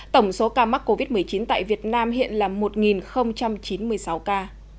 tổng số ca mắc covid một mươi chín tại việt nam hiện là một chín mươi sáu ca